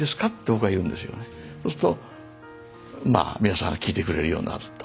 そうすると皆さんが聴いてくれるようになると。